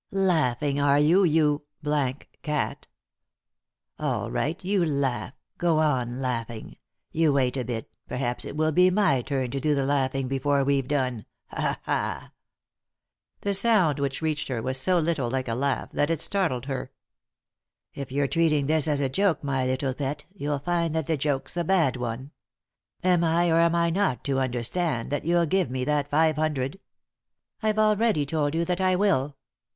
" Laughing, are you, you cat I All right ; you laugh I Go on laughing 1 You wait a bit, perhaps it will be my turn to do the laughing before we've done — Ha, ha I" The sound which reached her was so little like a laugh that it startled her. " If you're treating this as a joke, my little pet, you'll find that the joke's a bad one. Am I or am I 194 3i 9 iii^d by Google THE INTERRUPTED KISS not to understand that you'll give me that five hundred ?"" I've already told you that I will."